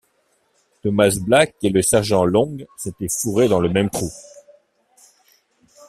Thomas Black et le sergent Long s’étaient fourrés dans le même trou.